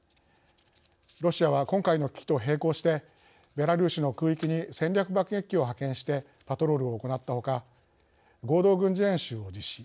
ロシアは今回の危機と並行してベラルーシの空域に戦略爆撃機を派遣してパトロールを行ったほか合同軍事演習を実施。